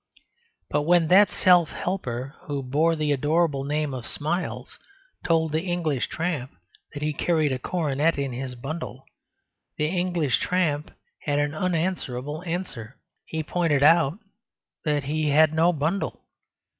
But when that Self Helper who bore the adorable name of Smiles told the English tramp that he carried a coronet in his bundle, the English tramp had an unanswerable answer. He pointed out that he had no bundle.